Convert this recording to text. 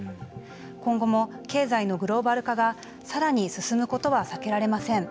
今後も経済のグローバル化がさらに進むことは避けられません。